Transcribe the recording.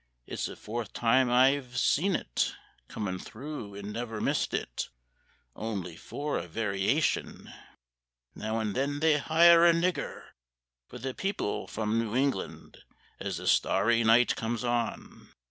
It's the fourth time I hev seen it, Comin' through and never missed it; Only for a variation Now and then they hire a nigger For the people from New England, As the starry night comes on.